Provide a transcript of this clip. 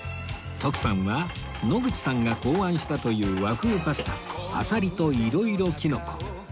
徳さんは野口さんが考案したという和風パスタあさりといろいろきのこ